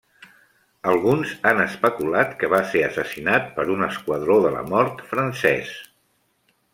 Alguns han especulat que va ser assassinat per un esquadró de la mort francès.